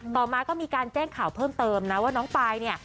ต่อมาก็มีการแจ้งข่าวเพิ่มเติมนะว่าน้องปายเนี่ย